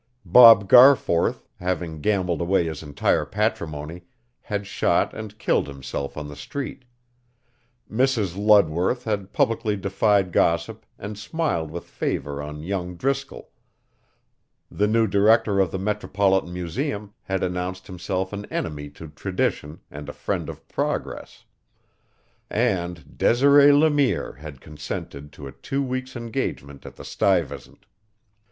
Bob Garforth, having gambled away his entire patrimony, had shot and killed himself on the street; Mrs. Ludworth had publicly defied gossip and smiled with favor on young Driscoll; the new director of the Metropolitan Museum had announced himself an enemy to tradition and a friend of progress; and Desiree Le Mire had consented to a two weeks' engagement at the Stuyvesant.